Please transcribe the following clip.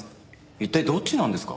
一体どっちなんですか？